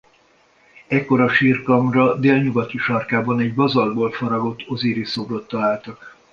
Ekkor a sírkamra délnyugati sarkában egy bazaltból faragott Ozirisz-szobrot találtak.